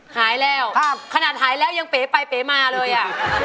หายแล้วครับขนาดหายแล้วยังเป๋ไปเป๋มาเลยอ่ะ